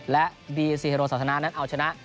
และดีซีเฮโรสาธารณะนั้นเอาชนะ